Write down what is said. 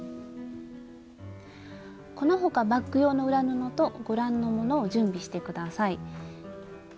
この他バッグ用の裏布とご覧のものを準備して下さい。